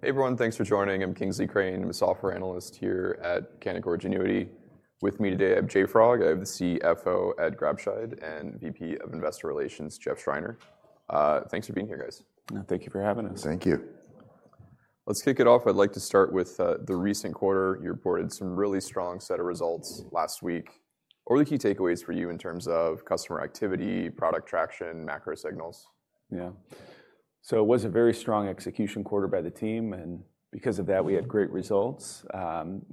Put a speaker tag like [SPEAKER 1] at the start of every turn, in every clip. [SPEAKER 1] Hey, everyone. Thanks for joining. I'm Kingsley Crane. I'm a Software Analyst here at Canaccord Genuity. With me today I have JFrog, I have the CFO Ed Grabscheid and VP of Investor Relations, Jeff Schreiner. Thanks for being here, guys.
[SPEAKER 2] Thank you for having us.
[SPEAKER 1] Thank you. Let's kick it off. I'd like to start with the recent quarter. You reported some really strong set of results last week. What were the key takeaways for you in terms of customer activity, product traction, macro signals?
[SPEAKER 2] Yeah, it was a very strong execution quarter by the team, and because of that we had great results.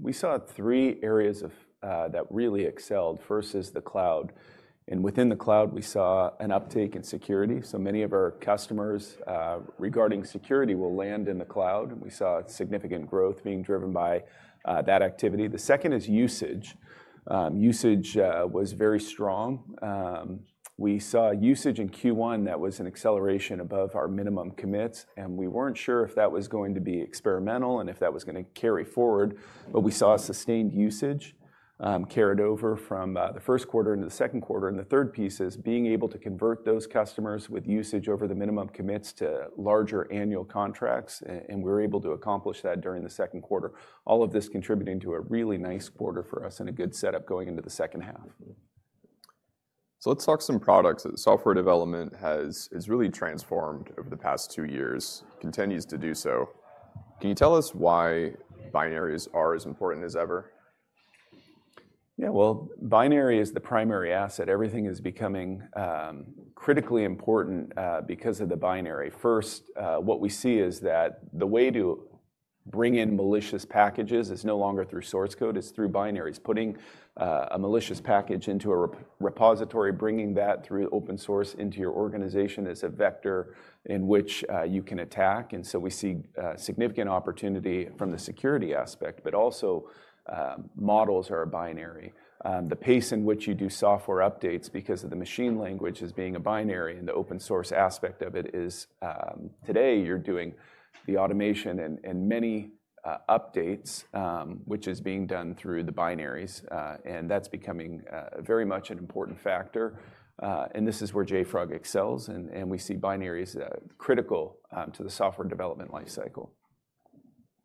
[SPEAKER 2] We saw three areas that really excelled. First is the cloud. Within the cloud, we saw an uptake in security. Many of our customers regarding security will land in the cloud, and we saw significant growth being driven by that activity. The second is usage. Usage was very strong. We saw usage in Q1 that was an acceleration above our minimum commits, and we weren't sure if that was going to be experimental and if that was going to carry forward. We saw a sustained usage carried over from the first quarter into the second quarter. The third piece is being able to convert those customers with usage over the minimum commits to larger annual contracts. We were able to accomplish that during the second quarter. All of this contributing to a really nice quarter for us and a good setup going into the second half.
[SPEAKER 1] Let's talk some products that software development has really transformed over the past two years and continues to do so. Can you tell us why binaries are as important as ever?
[SPEAKER 2] Yeah, binary is the primary asset. Everything is becoming critically important because of the binary. What we see is that the way to bring in malicious packages is no longer through source code, it's through binaries. Putting a malicious package into a repository, bringing that through open source into your organization is a vector in which you can attack. We see significant opportunity from the security aspect. Also, models are a binary. The pace in which you do software updates because of the machine language as being a binary and the open source aspect of it is today you're doing the automation and many updates which is being done through the binaries. That's becoming very much an important factor. This is where JFrog excels and we see binaries critical to the software development life cycle.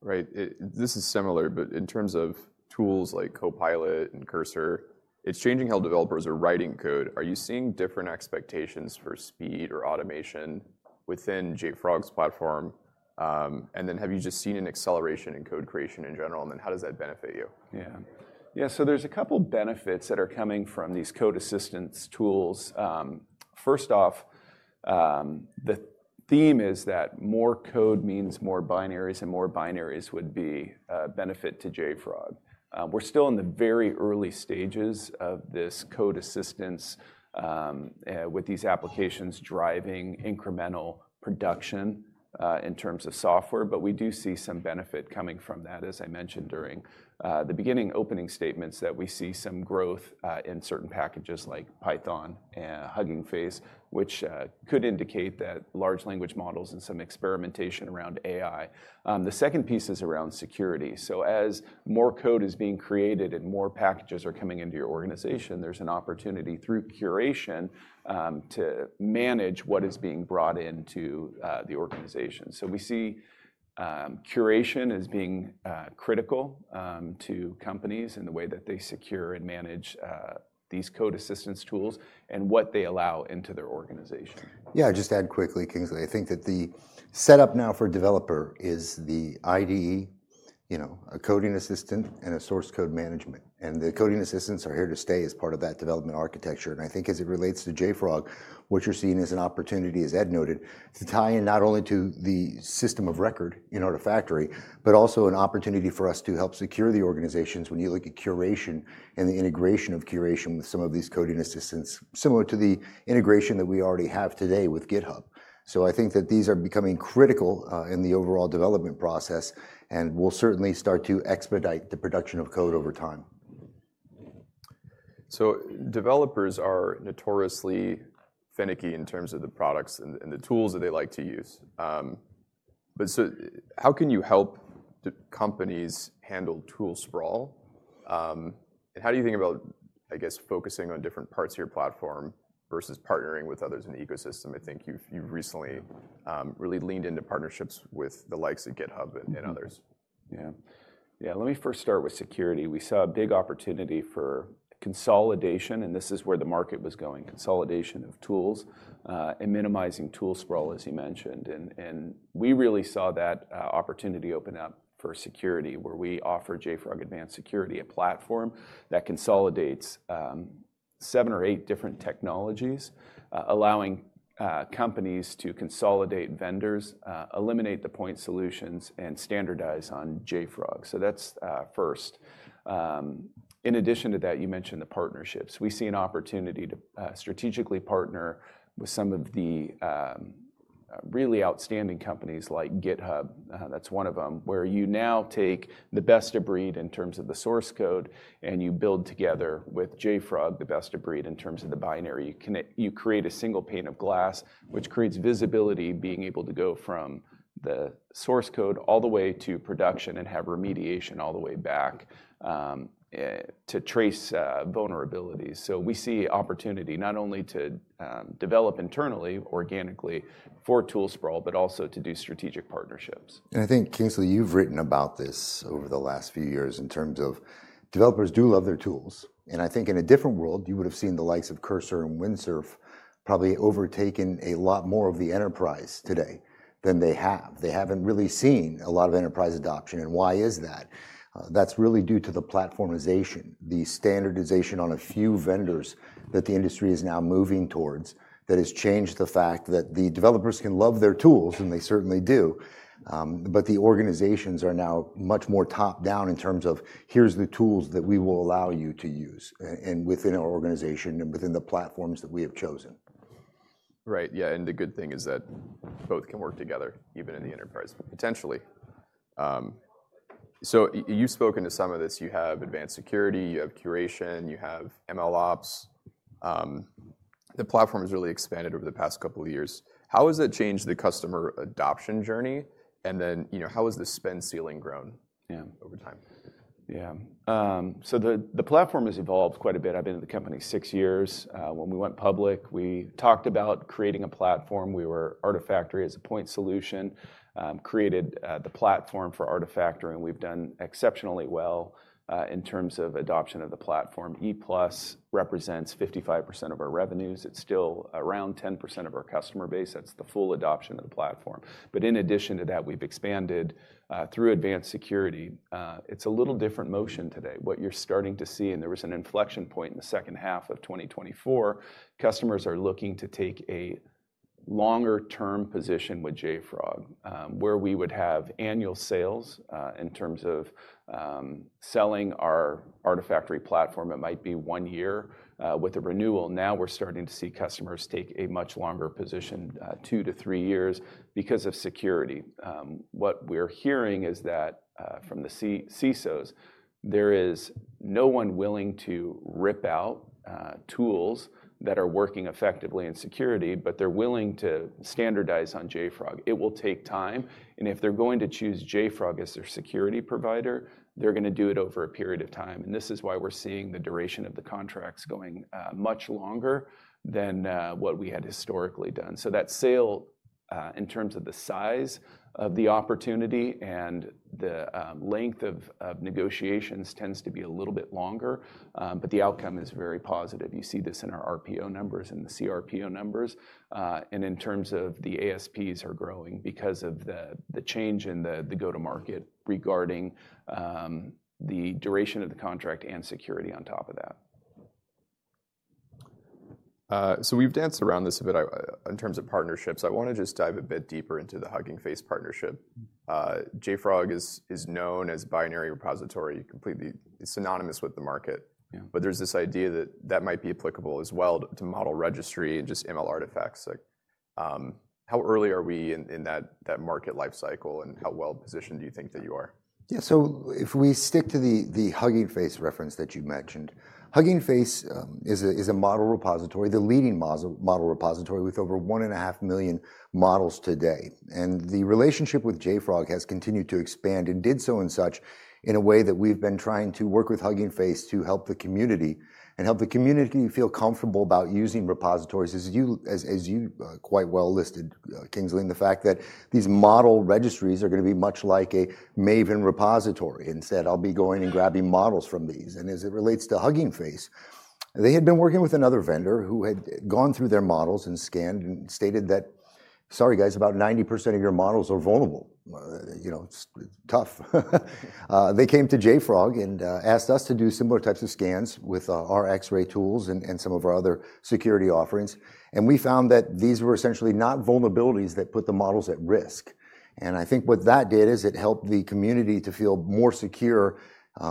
[SPEAKER 1] Right. This is similar, but in terms of tools like GitHub Copilot and Cursor, it's changing how developers are writing code. Are you seeing different expectations for speed or automation within JFrog's platform? Have you just seen an acceleration in code creation in general, and how does that benefit you?
[SPEAKER 2] Yeah, yeah. There are a couple benefits that are coming from these code assistance tools. First off, the theme is that more code means more binaries, and more binaries would be a benefit to JFrog. We're still in the very early stages of this code assistance with these applications driving incremental production in terms of software, but we do see some benefit coming from that. As I mentioned during the beginning opening statements, we see some growth in certain packages like Python and Hugging Face, which could indicate at large language models and some experimentation around AI. The second piece is around security. As more code is being created and more packages are coming into your organization, there's an opportunity through curation to manage what is being brought into the organization. We see curation as being critical to companies in the way that they secure and manage these code assistance tools and what they allow into their organization.
[SPEAKER 3] Yeah, just add quickly, Kingsley. I think that the setup now for developer is the IDE, a coding assistant, and a source code management, and the coding assistants are here to stay as part of that development architecture. I think as it relates to JFrog, what you're seeing is an opportunity, as Ed noted, to tie in not only to the system of record in JFrog Artifactory, but also an opportunity for us to help secure the organizations. When you look at curation and the integration of curation with some of these coding assistants, similar to the integration that we already have today with GitHub, I think that these are becoming critical in the overall development process and will certainly start to expedite the production of code over time.
[SPEAKER 1] Developers are notoriously finicky in terms of the products and the tools that they like to use. How can you help companies handle tool sprawl? How do you think about, I guess, focusing on different parts of your platform versus partnering with others in the ecosystem? I think you've recently really leaned into partnerships with the likes of GitHub and others.
[SPEAKER 2] Let me first start with security. We saw a big opportunity for consolidation and this is where the market was going. Consolidation of tools and minimizing tool sprawl, as he mentioned. We really saw that opportunity open up for security where we offer JFrog Advanced Security, a platform that consolidates seven or eight different technologies, allowing companies to consolidate vendors, eliminate the point solutions, and standardize on JFrog. That's first. In addition to that, you mentioned the partnerships. We see an opportunity to strategically partner with some of the really outstanding companies like GitHub. That's one of them where you now take the best of breed in terms of the source code and you build together with JFrog the best of breed in terms of the binary. You create a single pane of glass which creates visibility. Being able to go from the source code all the way to production and have remediation all the way back to trace vulnerabilities. We see opportunity not only to develop internally, organically for tool sprawl, but also to do strategic partnerships.
[SPEAKER 3] I think Kingsley, you've written about this over the last few years in terms of developers do love their tools. I think in a different world you would have seen the likes of Cursor and Windsurf probably overtaken a lot more of the enterprise today than they have, really seeing a lot of enterprise adoption. Why is that? That's really due to the platformization, the standardization on a few vendors that the industry is now moving towards. That has changed the fact that the developers can love their tools and they certainly do, but the organizations are now much more top down in terms of here's the tools that we will allow you to use within our organization and within the platforms that we have chosen.
[SPEAKER 1] Right? Yeah. The good thing is that both can work together even in the enterprise potentially. You spoke into some of this. You have JFrog Advanced Security, you have JFrog Curation, you have MLOps. The platform has really expanded over the past couple years. How has it changed the customer adoption journey, and then how has the spend?
[SPEAKER 2] Ceiling grown over time? Yeah, so the platform has evolved quite a bit. I've been in the company six years. When we went public, we talked about creating a platform. We were Artifactory as a point solution, created the platform for Artifactory and we've done exceptionally well in terms of adoption of the platform. It represents 55% of our revenues. It's still around 10% of our customer base. That's the full adoption of the platform. In addition to that, we've expanded through Advanced Security. It's a little different motion today. What you're starting to see, and there was an inflection point in the second half of 2024, customers are looking to take a longer term position with JFrog where we would have annual sales in terms of selling our Artifactory platform. It might be one year with the renewal. Now we're starting to see customers take a much longer position, two to three years because of security. What we're hearing is that from the CISOs there is no one willing to rip out tools that are working effectively in security, but they're willing to standardize on JFrog. It will take time. If they're going to choose JFrog as their security provider, they're going to do it over a period of time. This is why we're seeing the duration of the contracts going much longer than what we had historically done. That sale in terms of the size of the opportunity and the length of negotiations tends to be a little bit longer, but the outcome is very positive. You see this in our RPO numbers and the CRPO numbers and in terms of the ASPs are growing because of the change in the go to market regarding the duration of the contract and security on top of that.
[SPEAKER 1] We've danced around this a bit in terms of partnerships. I want to just dive a bit deeper into the Hugging Face partnership. JFrog is known as a binary repository, completely synonymous with the market. There's this idea that that might be applicable as well to model registry and just ML artifacts. How early are we in that market life cycle and how well positioned do you think that you are?
[SPEAKER 3] Yeah, if we stick to the Hugging Face reference that you mentioned. Hugging Face is a model repository, the leading model repository with over 1.5 million models today. The relationship with JFrog has continued to expand in such a way that we've been trying to work with Hugging Face to help the community and help the community feel comfortable about using repositories. As you quite well listed, Kingsley, these model registries are going to be much like a Maven repository and said I'll be going and grabbing models from these. As it relates to Hugging Face, they had been working with another vendor who had gone through their models and scanned and stated that, sorry guys, about 90% of your models are vulnerable. It's tough. They came to JFrog and asked us to do similar types of scans with our Xray tools and some of our other security offerings. We found that these were essentially not vulnerabilities that put the models at risk. I think what that did is it helped the community to feel more secure,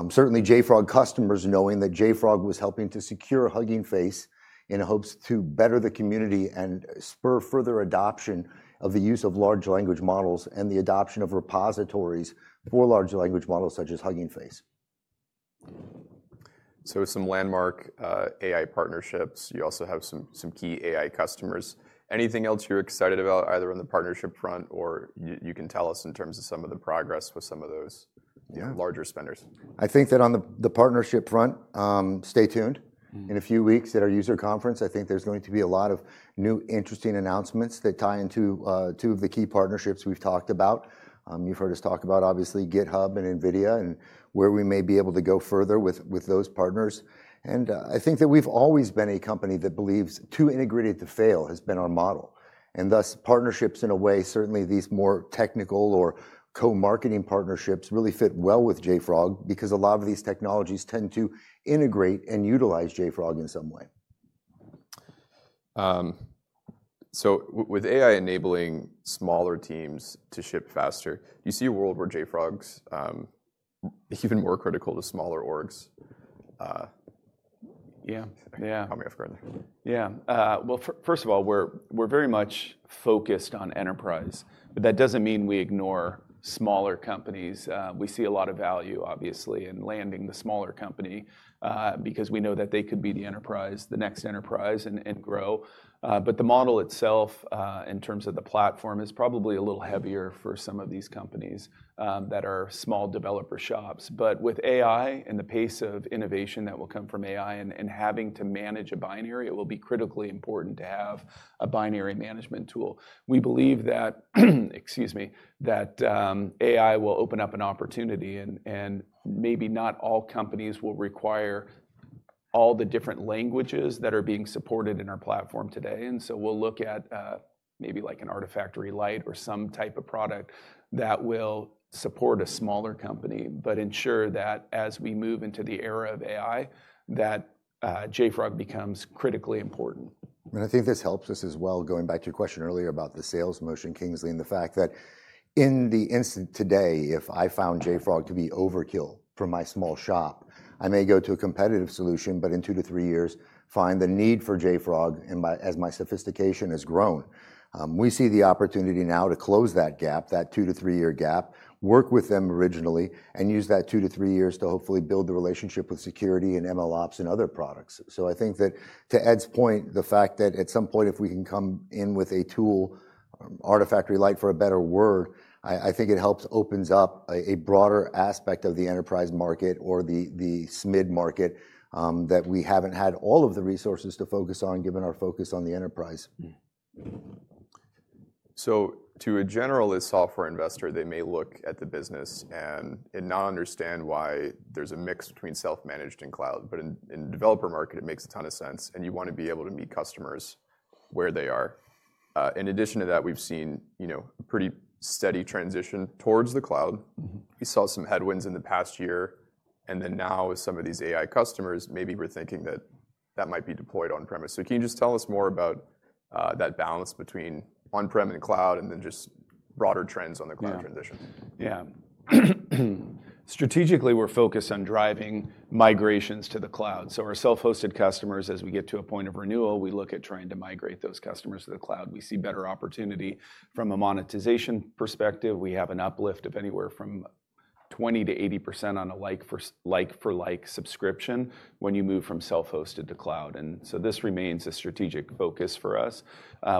[SPEAKER 3] certainly JFrog customers, knowing that JFrog was helping to secure Hugging Face in hopes to better the community and spur further adoption of the use of large language models and the adoption of repositories for large language models such as Hugging Face.
[SPEAKER 1] are some landmark AI partnerships, you also have some key AI customers. Anything else you're excited about either on the partnership front or you can tell us in terms of some of the progress with some of those larger spenders?
[SPEAKER 3] I think that on the partnership front, stay tuned. In a few weeks at our user conference, I think there's going to be a lot of new interesting announcements that tie into two of the key partnerships we've talked about. You've heard us talk about obviously GitHub and NVIDIA and where we may be able to go further with those partners. I think that we've always been a company that believes too integrated to fail has been our model, and thus partnerships in a way. Certainly, these more technical or co-marketing partnerships really fit well with JFrog because a lot of these technologies tend to integrate and utilize JFrog in some way.
[SPEAKER 1] With AI enabling smaller teams to ship faster, you see a world where JFrog's even more critical to smaller orgs.
[SPEAKER 2] Yeah. First of all, we're very much focused on enterprise, but that doesn't mean we ignore smaller companies. We see a lot of value obviously in landing the smaller company because we know that they could be the enterprise, the next enterprise, and grow. The model itself in terms of the platform is probably a little heavier for some of these companies that are small developer shops. With AI and the pace of innovation that will come from AI and having to manage a binary, it will be critically important to have a binary management tool. We believe that AI will open up an opportunity and maybe not all companies will require all the different languages that are being supported in our platform today. We'll look at maybe like an Artifactory light or some type of product that will support a smaller company, but ensure that as we move into the era of AI, JFrog becomes critically important.
[SPEAKER 3] I think this helps us as well. Going back to your question earlier about the sales motion, Kingsley, and the fact that in the instant today, if I found JFrog to be overkill for my small shop, I may go to a competitive solution, but in two to three years find the need for JFrog. As my sophistication has grown, we see the opportunity now to close that gap, that two to three year gap, work with them originally and use that two to three years to hopefully build the relationship with security and MLOps and other products. I think that to Ed's point, the fact that at some point if we can come in with a tool, Artifactory light for a better word, I think it helps open up a broader aspect of the enterprise market or the SMID market that we haven't had all of the resources to focus on given our focus on the enterprise.
[SPEAKER 1] To a generalist software investor, they may look at the business and not understand why there's a mix between self-managed and cloud. In the developer market it makes a ton of sense, and you want to be able to meet customers where they are. In addition to that, we've seen a pretty steady transition towards the cloud. We saw some headwinds in the past year, and now with some of these AI customers, maybe we're thinking that that might be deployed on-premises. Can you just tell us more about that balance between on-premises and cloud, and then just broader trends on the cloud transition?
[SPEAKER 2] Yeah, strategically we're focused on driving migrations to the cloud. Our self hosted customers, as we get to a point of renewal, we look at trying to migrate those customers to the cloud. We see better opportunity from a monetization perspective. We have an uplift of anywhere from 20%-80% on a like for like subscription when you move from self hosted to cloud, and this remains a strategic focus for us.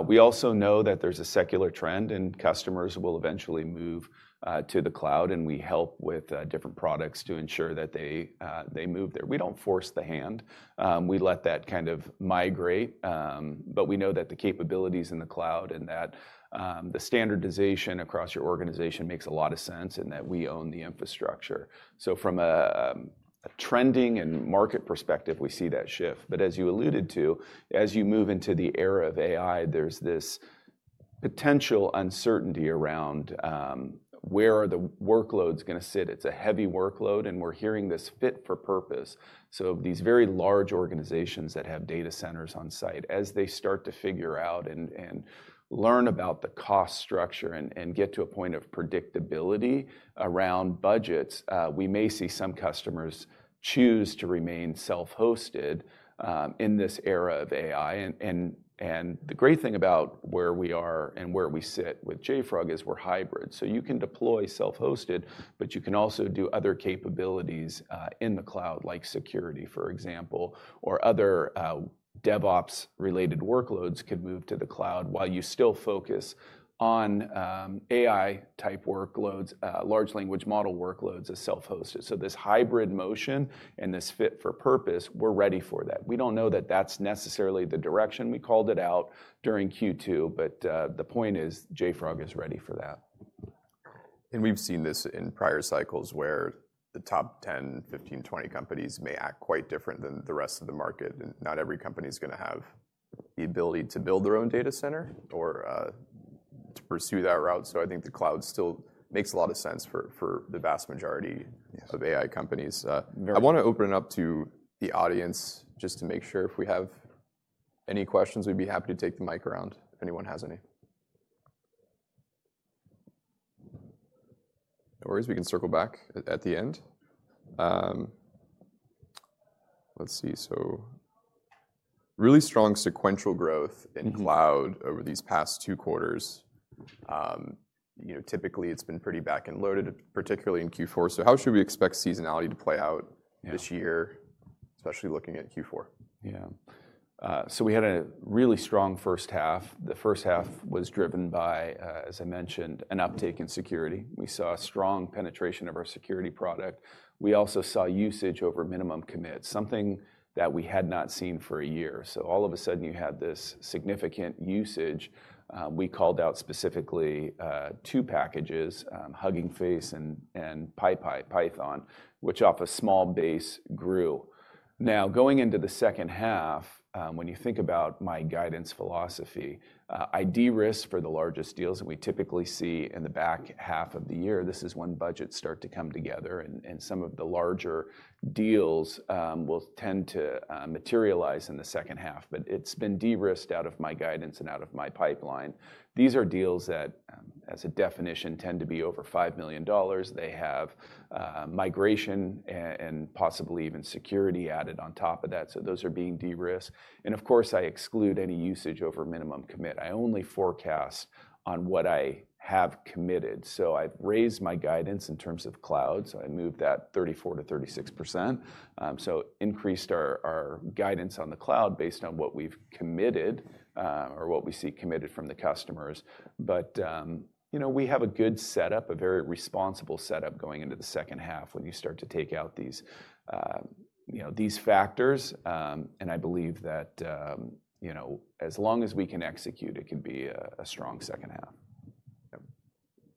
[SPEAKER 2] We also know that there's a secular trend and customers will eventually move to the cloud, and we help with different products to ensure that they move there. We don't force the hand, we let that kind of migrate. We know that the capabilities in the cloud and that the standardization across your organization makes a lot of sense and that we own the infrastructure. From a trending and market perspective, we see that shift. As you alluded to, as you move into the era of AI, there's this potential uncertainty around where are the workloads going to sit. It's a heavy workload, and we're hearing this fit for purpose. These very large organizations that have data centers on site, as they start to figure out and learn about the cost structure and get to a point of predictability around budgets, we may see some customers choose to remain self hosted in this era of AI. The great thing about where we are and where we sit with JFrog is we're hybrid. You can deploy self hosted, but you can also do other capabilities in the cloud like security, for example, or other DevOps related workloads could move to the cloud while you still focus on AI type workloads, large language model workloads as self hosted. This hybrid motion and this fit for purpose, we're ready for that. We don't know that that's necessarily the direction. We called it out during Q2. The point is, JFrog is ready for that.
[SPEAKER 1] We have seen this in prior cycles where the top 10, 15, 20 companies may act quite different than the rest of the market. Not every company is going to have the ability to build their own data center or to pursue that route. I think the cloud still makes a lot of sense for the vast majority of AI companies. I want to open it up to the audience just to make sure. If we have any questions, we'd be happy to take the mic around. Anyone has any. No worries, we can circle back at the end. Let's see. Really strong sequential growth in cloud over these past two quarters. Typically it's been pretty back and loaded, particularly in Q4. How should we expect seasonality to play out this year, especially looking at Q4?
[SPEAKER 2] Yeah, so we had a really strong first half. The first half was driven by, as I mentioned, an uptake in security. We saw a strong penetration of our security product. We also saw usage over minimum commit, something that we had not seen for a year. All of a sudden you had this significant usage. We called out specifically two packages, Hugging Face and PyPy Python, which off a small base grew. Now, going into the second half, when you think about my guidance philosophy, I de-risk for the largest deals that we typically see in the back half of the year. This is when budgets start to come together and some of the larger deals will tend to materialize in the second half. It has been de-risked out of my guidance and out of my pipeline. These are deals that, as a definition, tend to be over $5 million. They have migration and possibly even security added on top of that. Those are being de-risked. Of course, I exclude any usage over minimum commit. I only forecast on what I have committed. I've raised my guidance in terms of cloud. I moved that 34-36%. Increased our guidance on the cloud based on what we've committed or what we see committed from the customers. We have a good setup, a very responsible setup going into the second half when you start to take out these factors. I believe that as long as we can execute, it can be a strong second half.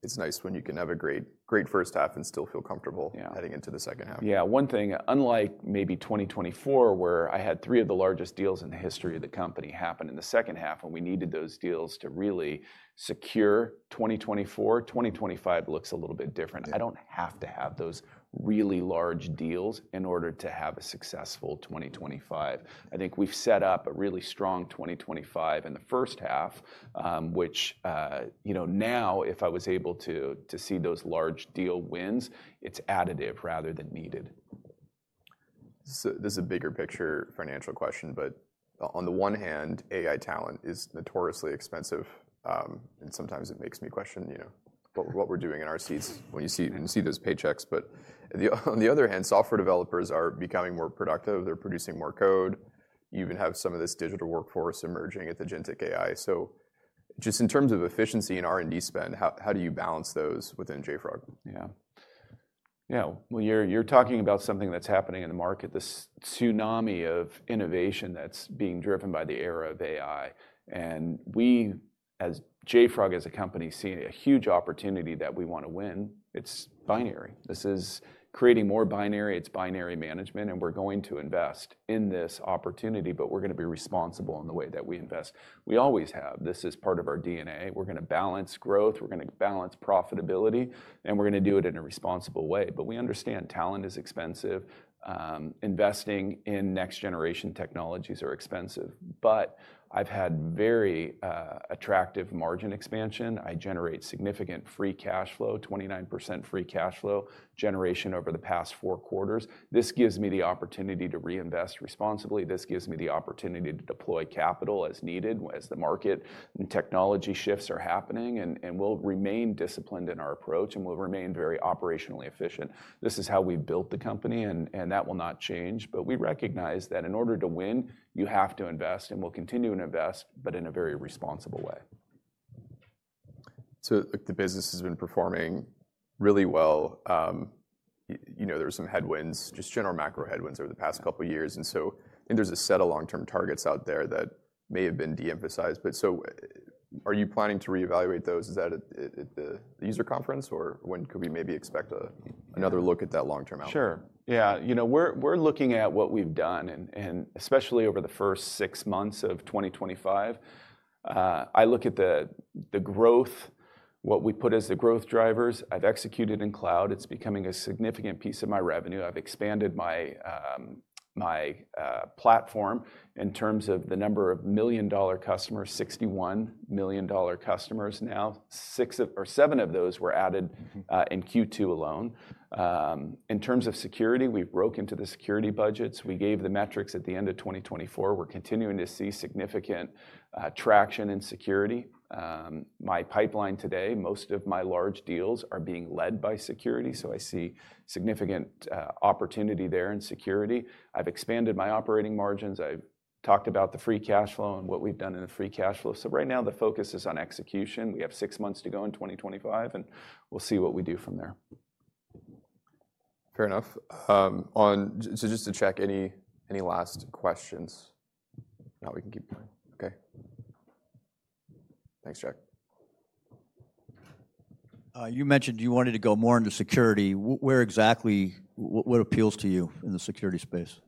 [SPEAKER 1] It's nice when you can have a great, great first half and still feel comfortable heading into the second half.
[SPEAKER 2] Yeah, one thing, unlike maybe 2024, where I had three of the largest deals in the history of the company happen in the second half, and we needed those deals to really secure 2024, 2025 looks a little bit different. I don't have to have those really large deals in order to have a success. I think we've set up a really strong 2025 in the first half, which, you know, now if I was able to see those large deal wins, it's additive rather than needed.
[SPEAKER 1] This is a bigger picture financial question. On the one hand, AI talent is notoriously expensive and sometimes it makes me question, you know, what we're doing in our seats when you see those paychecks. On the other hand, software developers are becoming more productive, they're producing more code. You even have some of this digital workforce emerging at the GenAI. In terms of efficiency and R&D spend, how do you balance those within JFrog?
[SPEAKER 2] Yeah, yeah. You're talking about something that's happening in the market, this tsunami of innovation that's being driven by the era of AI. We as JFrog as a company see a huge opportunity that we want to win. It's binary, this is creating more binary, it's binary management. We're going to invest in this opportunity, but we're going to be responsible in the way that we invest. We always have. This is part of our DNA. We're going to balance growth, we're going to balance profitability, and we're going to do it in a responsible way. We understand talent is expensive. Investing in next generation technologies is expensive. I've had very attractive margin expansion. I generate significant free cash flow, 29% free cash flow generation over the past four quarters. This gives me the opportunity to reinvest responsibly. This gives me the opportunity to deploy capital as needed as the market technology shifts are happening. We'll remain disciplined in our approach and we'll remain very operationally efficient. This is how we built the company and that will not change. We recognize that in order to win you have to invest and we'll continue to invest, but in a very responsible way.
[SPEAKER 1] The business has been performing really well. There were some headwinds, just general macro headwinds over the past couple years. I think there's a set of long term targets out there that may have been deemphasized. Are you planning to reevaluate those? Is that at the user conference or when could we maybe expect another look at that long term outcome?
[SPEAKER 2] Sure, yeah, we're looking at what we've done and especially over the first six months of 2025. I look at the growth, what we put as the growth drivers I've executed in cloud. It's becoming a significant piece of my revenue. I've expanded my platform in terms of the number of million dollar customers, $61 million customers now. Six or seven of those were added in Q2 alone. In terms of security, we broke into the security budgets, we gave the metrics at the end of 2024. We're continuing to see significant traction in security. My pipeline today, most of my large deals are being led by security. I see significant opportunity there in security. I've expanded my operating, I talked about the free cash flow and what we've done in the free cash flow. Right now the focus is on execution. We have six months to go in 2025 and we'll see what we do from there.
[SPEAKER 1] Fair enough. Just to check, any last questions? We can keep going. Okay, thanks.
[SPEAKER 3] You mentioned you wanted to go more into security. Where exactly, what appeals to you in the security space?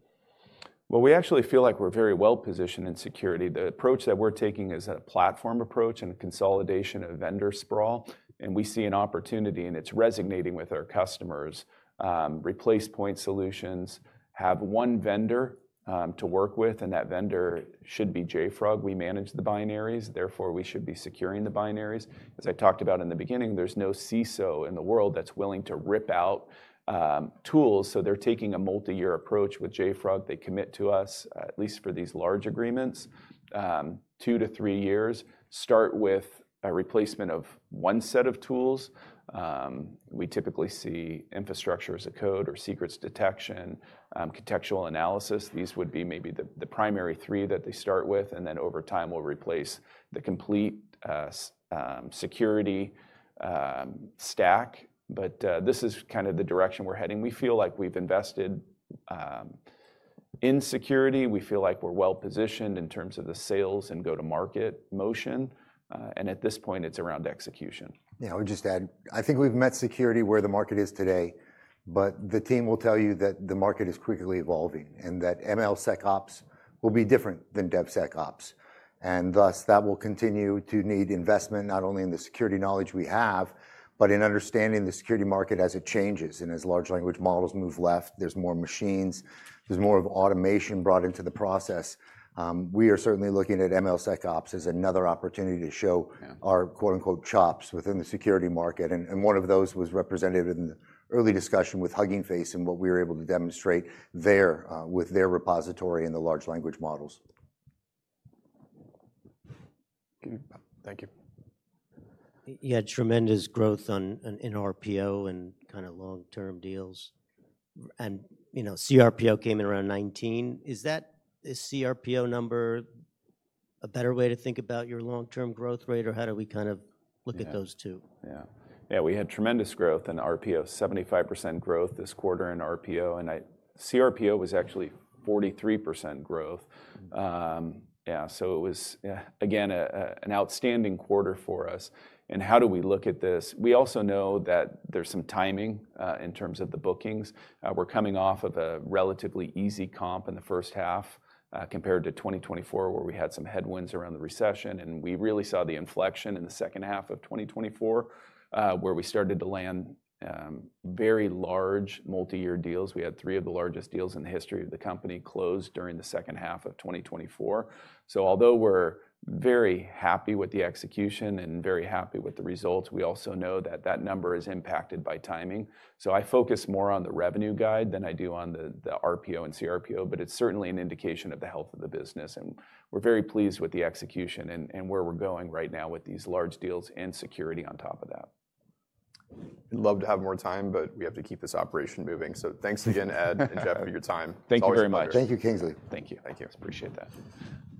[SPEAKER 2] We actually feel like we're very well-positioned in security. The approach that we're taking is a platform approach and consolidation of vendor sprawl, and we see an opportunity and it's resonating with our customers. Replacement solutions have one vendor to work with, and that vendor should be JFrog. We manage the binaries, therefore we should be securing the binaries. As I talked about in the beginning, there's no CISO in the world that's willing to rip out tools, so they're taking a multi-year approach with JFrog. They commit to us, at least for these large agreements, two to three years, start with a replacement of one set of tools. We typically see infrastructure as code or secrets detection, contextual analysis. These would be maybe the primary three that they start with, and then over time will replace the complete security stack. This is kind of the direction we're heading. We feel like we've invested in security, we feel like we're well positioned in terms of the sales and go-to-market motion, and at this point it's around execution.
[SPEAKER 3] Yeah, I would just add, I think we've met security where the market is today. The team will tell you that the market is quickly evolving and that MLSecOps will be different than DevSecOps, and thus that will continue to need investment not only in the security knowledge we have, but in understanding the security market as it changes and as large language models move left. There's more machines, there's more automation brought into the process. We are certainly looking at MLSecOps as another opportunity to show our quote unquote chops within the security market. One of those was represented in the early discussion with Hugging Face and what we were able to demonstrate there with their repository in the large language models.
[SPEAKER 1] Thank you.
[SPEAKER 3] Yeah, tremendous growth in RPO and kind of long term deals, and you know, CRPO came in around 19. Is that CRPO number a better way to think about your long term growth rate, or how do we kind of look at those two?
[SPEAKER 2] Yeah, we had tremendous growth in RPO, 75% growth this quarter in RPO, and CRPO was actually 43% growth. It was again an outstanding quarter for us. How do we look at this? We also know that there's some timing in terms of the bookings. We're coming off of a relatively easy comp in the first half compared to 2024 where we had some headwinds around the recession. We really saw the inflection in the second half of 2024 where we started to land very large multi-year deals. We had three of the largest deals in the history of the company closed during the second half of 2024. Although we're very happy with the execution and very happy with the results, we also know that that number is impacted by timing. I focus more on the revenue guide than I do on the RPO and CRPO, but it's certainly an indication of the health of the business and we're very pleased with the execution and where we're going right now with these large deals and security on top of that.
[SPEAKER 1] I'd love to have more time, but we have to keep this operation moving. Thanks again Ed and Jeff for your time.
[SPEAKER 2] Thank you very much.
[SPEAKER 3] Thank you, Kingsley.
[SPEAKER 1] Thank you. Thank you.
[SPEAKER 2] Appreciate it. Thanks.